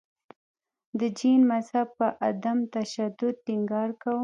د جین مذهب په عدم تشدد ټینګار کاوه.